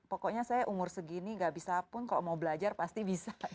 pokoknya saya umur segini gak bisa pun kalau mau belajar pasti bisa